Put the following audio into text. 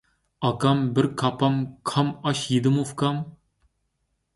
ئاكام بىر كاپام كام ئاش يېدىمۇ ئۇكام؟